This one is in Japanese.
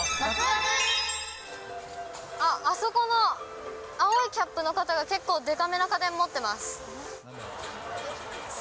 あっ、あそこの青いキャップの方が結構でかめの家電持ってます。